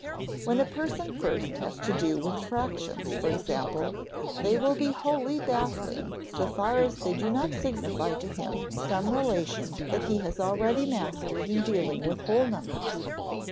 When a person first has to do with fractions, for example, they will be wholly baffling so far as they do not signify to him some relation that he has already mastered in dealing with whole numbers.